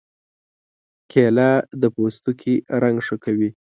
کېله د پوستکي رنګ ښه کوي.